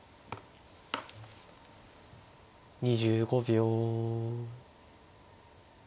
２５秒。